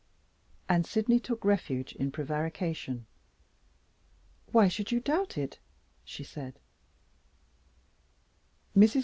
And Sydney took refuge in prevarication. "Why should you doubt it?" she said. Mrs.